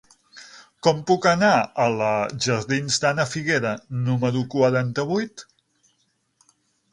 Com puc anar a la jardins d'Ana Figuera número quaranta-vuit?